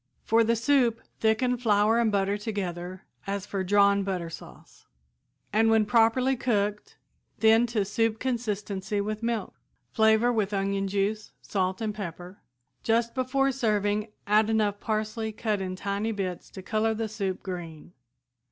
For the soup, thicken flour and butter together as for drawn butter sauce, and when properly cooked thin to soup consistency with milk. Flavor with onion juice, salt and pepper. Just before serving add enough parsley cut in tiny bits to color the soup green.